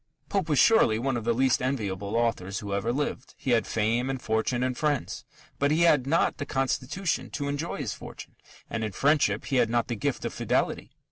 Pope was surely one of the least enviable authors who ever lived. He had fame and fortune and friends. But he had not the constitution to enjoy his fortune, and in friendship he had not the gift of fidelity.